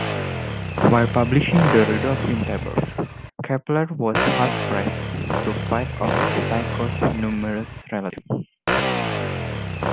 While publishing the "Rudolphine Tables", Kepler was hard-pressed to fight off Tycho's numerous relatives.